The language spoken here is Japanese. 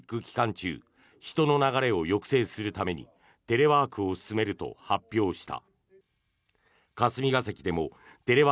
中人の流れを抑制するためにテレワークを進めると発表した。